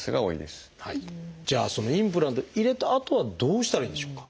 じゃあそのインプラントを入れたあとはどうしたらいいんでしょうか？